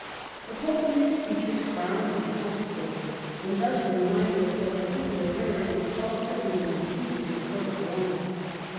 The Pope and his creatures frowned uncom fortably when thus reminded of the particular heresy which all Christendom imputed to the Court of Rome.